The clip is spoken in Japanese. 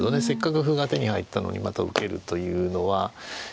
せっかく歩が手に入ったのにまた受けるというのは。